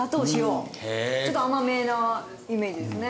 ちょっと甘めなイメージですね。